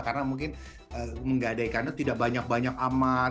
karena mungkin menggadaikan itu tidak banyak banyak amat